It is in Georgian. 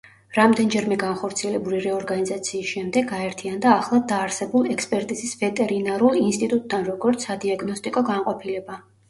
რამდენჯერმე განხორციელებული რეორგანიზაციის შემდეგ გაერთიანდა ახლად დაარსებულ ექსპერტიზის ვეტერინარულ ინსტიტუტთან, როგორც სადიაგნოსტიკო განყოფილება.